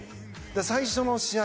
最初の試合